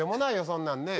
そんなんね。